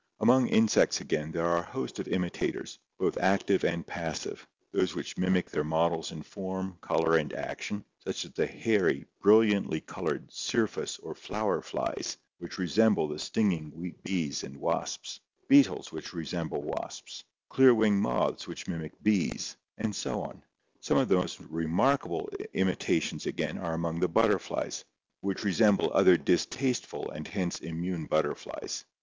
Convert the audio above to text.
Among insects again there are a host of imitators, both active and passive; those which mimic their models in form, color and action, such as the hairy, brilliantly colored syrphus or flower flies which resemble the stinging bees and wasps; beetles which re semble wasps ; clear wing moths which mimic bees, and so on. Some of the most remarkable imitations, again, are among the butterflies, which resemble other distasteful and hence immune butterflies.